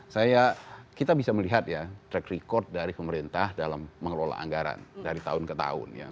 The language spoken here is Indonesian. saya kita bisa melihat ya track record dari pemerintah dalam mengelola anggaran dari tahun ke tahun ya